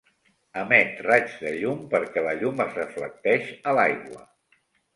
Emet raigs de llum perquè la llum es reflecteix a l'aigua.